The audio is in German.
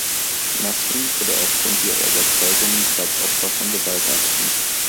Nasrin wurde aufgrund ihrer Überzeugungen bereits Opfer von Gewaltakten.